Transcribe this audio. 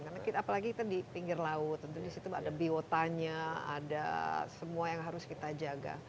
karena apalagi kita di pinggir laut tentu disitu ada biotanya ada semua yang harus kita jaga